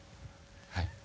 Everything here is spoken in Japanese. はい。